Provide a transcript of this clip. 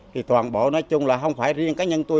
thì toàn bộ nói chung là không phải riêng cá nhân tôi